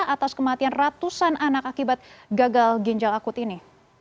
atas kematian ratusan anak akibat gagal ginjal akut ini